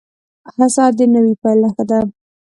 • هر ساعت د نوې پیل نښه ده.